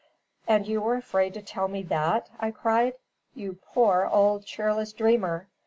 "And you were afraid to tell me that!" I cried. "You poor, old, cheerless dreamer!